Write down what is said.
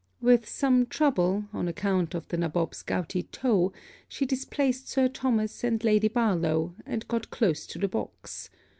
With some trouble, on account of the nabob's gouty toe, she displaced Sir Thomas and Lady Barlowe, and got close to the box.